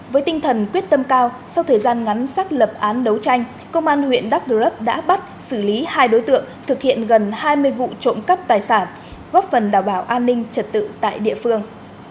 với tinh thần quyết tâm cao sau thời gian ngắn xác lập án đấu tranh công an huyện đắk rơ lấp đã bắt xử lý hai đối tượng thực hiện gần hai mươi vụ trộm cắp tài sản góp phần đảm bảo an ninh trật tự tại địa phương